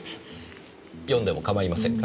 読んでも構いませんか？